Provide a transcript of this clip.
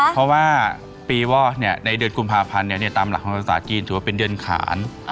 เพราะว่าปีวอดในเดือนกุมภาพันธ์ตามหลักของภาษาจีนถือว่าเป็นเดือนขาน